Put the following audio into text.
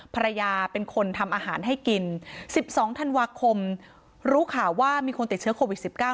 ภรรยาเป็นคนทำอาหารให้กิน๑๒ธันวาคมรู้ข่าวว่ามีคนติดเชื้อโควิด๑๙